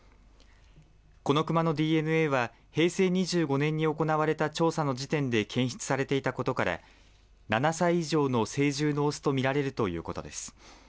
このクマのＤＮＡは平成２５年に行われた調査の時点で検出されていたことから７歳以上の成獣のオスとみられるということです。